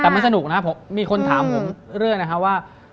แต่มันสนุกนะมีคนถามผมเรื่อยนะคะว่า